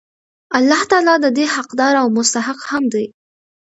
الله تعالی د دي حقدار او مستحق هم دی